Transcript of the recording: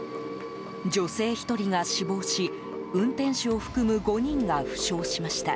女性１人が死亡し運転手を含む５人が負傷しました。